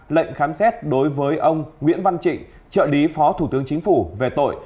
lệnh khám xét đối với ông nguyễn văn trịnh trợ lý phó thủ tướng chính phủ về tội